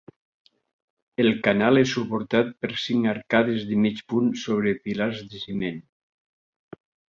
El canal és suportat per cinc arcades de mig punt sobre pilars de ciment.